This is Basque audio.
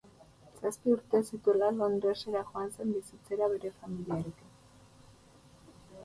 Zazpi urte zituela Londresa joan zen bizitzera bere familiarekin.